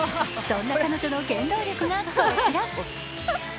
そんな彼女の原動力がこちら。